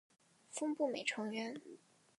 峰步美成员。